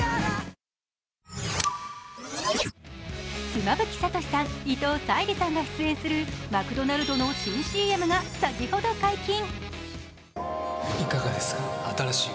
妻夫木聡さん、伊藤沙莉さんが出演するマクドナルドの新ＣＭが先ほど解禁。